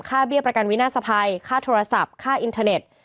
เบี้ยประกันวินาศภัยค่าโทรศัพท์ค่าอินเทอร์เน็ต